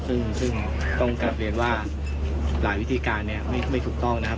ซึ่งต้องกลับเรียนว่าหลายวิธีการเนี่ยไม่ถูกต้องนะครับ